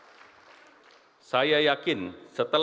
kami berharap bahwa kekuatan politik ini akan menjadi kekuatan yang matang